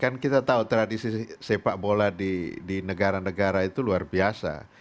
kan kita tahu tradisi sepak bola di negara negara itu luar biasa